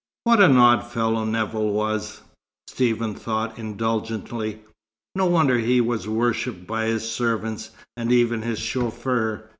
What an odd fellow Nevill was! Stephen thought, indulgently. No wonder he was worshipped by his servants, and even his chauffeur.